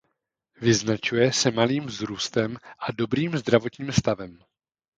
Vyznačuje se malým vzrůstem a dobrým zdravotním stavem.